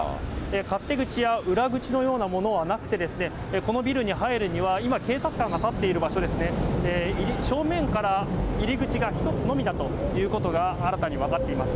勝手口や裏口のようなものはなくて、このビルに入るには、今、警察官が立っている場所ですね、正面から入り口が１つのみだということが新たに分かっています。